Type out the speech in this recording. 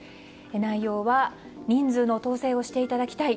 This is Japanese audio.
内容は人数の統制をしていただきたい。